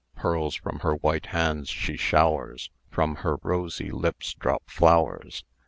Pearls from her white hands she showers, From her rosy lips drop flowers.